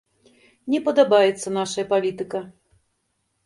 Не падабаецца нашая палітыка.